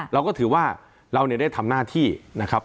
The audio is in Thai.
เราก็ถือว่าเราได้ทำหน้าที่นะครับ